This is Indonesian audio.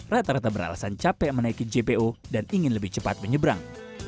rata rata beralasan capek menaiki jpo dan ingin lebih cepat menyeberang